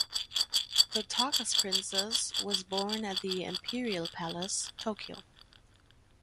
The Taka’s Princess was born at the Imperial Palace, Tokyo.